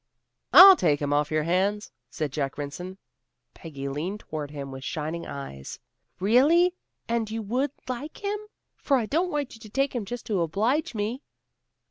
"I'll take him off your hands," said Jack Rynson. Peggy leaned toward him with shining eyes. "Really? And would you like him? For I don't want you to take him just to oblige me."